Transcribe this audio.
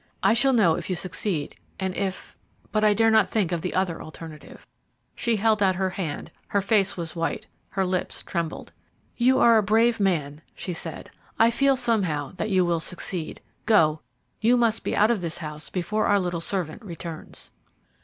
I shall know if you succeed, and if but I dare not think of the other alternative." She held out her hand; her face was white her lips trembled. "You are a brave man," she said. "I feel somehow that you will succeed. Go, you must be out of this house before our little servant returns."